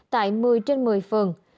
tại một mươi trên một mươi phường